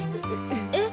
えっ！？